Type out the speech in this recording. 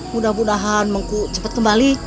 mudah mudahan cepat kembali